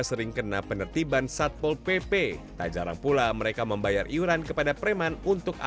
sering kena penertiban satpol pp tak jarang pula mereka membayar iuran kepada preman untuk